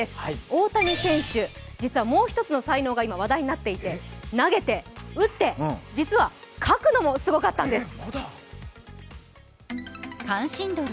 大谷選手、実はもう一つの才能が今、話題になっていて投げて、打って、実は書くのもすごかったんです。